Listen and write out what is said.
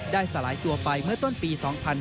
สลายตัวไปเมื่อต้นปี๒๕๕๙